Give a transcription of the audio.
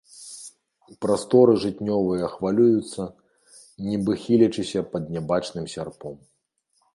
Прасторы жытнёвыя хвалююцца, нібы хілячыся пад нябачным сярпом.